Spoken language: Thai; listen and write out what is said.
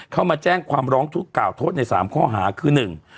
เข้ามาแจ้งความร้องกล่าวโทษใน๓ข้อหาคือ